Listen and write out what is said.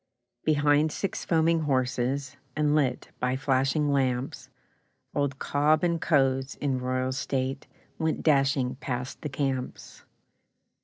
Behind six foaming horses, And lit by flashing lamps, Old 'Cobb and Co.'s', in royal state, Went dashing past the camps.